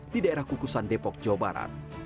di daerah kukusan depok jawa barat